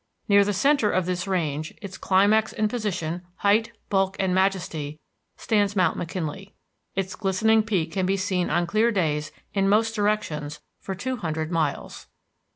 Near the centre of this range, its climax in position, height, bulk, and majesty, stands Mount McKinley. Its glistening peak can be seen on clear days in most directions for two hundred miles.